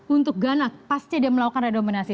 untuk ghana pas dia melakukan redenominasi